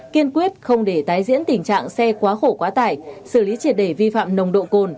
kiên quyết không để tái diễn tình trạng xe quá khổ quá tải xử lý triệt để vi phạm nồng độ cồn